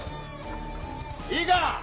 いいか！